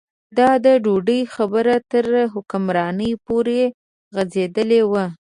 دا د ډوډۍ خبره تر حکمرانۍ پورې غځېدلې وه.